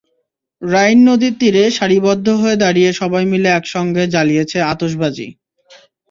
রাইন নদীর তীরে সারিবদ্ধ হয়ে দাঁড়িয়ে সবাই মিলে একসঙ্গে জ্বালিয়েছে আতশবাজি।